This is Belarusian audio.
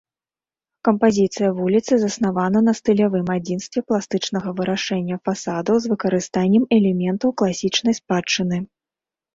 Кампазіцыя вуліцы заснавана на стылявым адзінстве пластычнага вырашэння фасадаў з выкарыстаннем элементаў класічнай спадчыны.